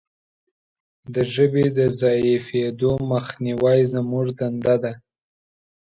د ژبې د ضعیفیدو مخنیوی زموږ دنده ده.